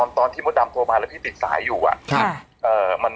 ตอนที่มดดำโทรมาแล้วพี่ติดสายอยู่อะ